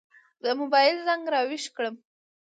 د موبایل زنګ را وېښ کړم.